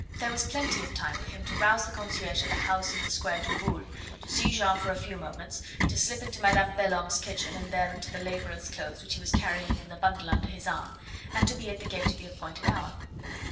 There was plenty of time for him to rouse the concierge at the house of the Square du Roule, to see Jeanne for a few moments, to slip into Madame Belhomme's kitchen, and there into the labourer's clothes which he was carrying in the bundle under his arm, and to be at the gate at the appointed hour.